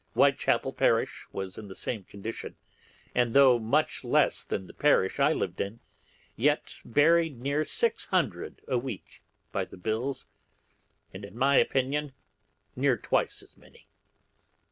Whitechappel parish was in the same condition, and though much less than the parish I lived in, yet buried near 600 a week by the bills, and in my opinion near twice as many.